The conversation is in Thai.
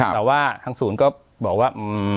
แต่ว่าทางศูนย์ก็บอกว่า